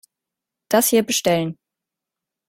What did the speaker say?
Das hier bestellen.